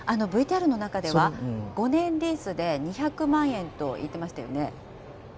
ＶＴＲの中では、５年リースで２００万円と言ってましたよね。